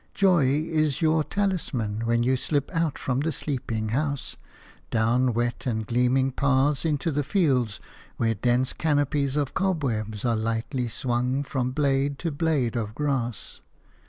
Joy is your talisman, when you slip out from the sleeping house, down wet and gleaming paths into the fields, where dense canopies of cobwebs are lightly swung from blade to blade of grass.